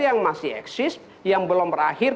yang masih eksis yang belum berakhir